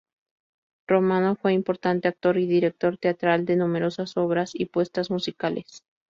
Romano fue un importante actor y director teatral de numerosas obras y puestas musicales.